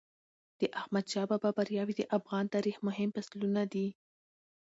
د احمدشاه بابا بریاوي د افغان تاریخ مهم فصلونه دي.